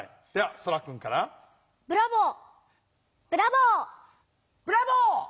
ブラボー。